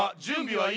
はい。